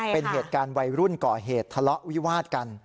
เป็นเหตุการณ์วัยรุ่นก่อเหตุทะเลาะวิวาดกัน